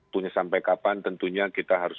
punya sampai kapan tentunya kita harus